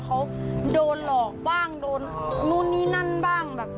เขาโดนหลอกบ้างโดนนี่นั่นบ้าง